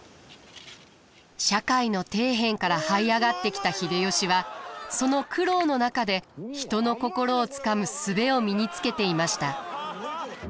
社会の底辺からはい上がってきた秀吉はその苦労の中で人の心をつかむ術を身につけていました。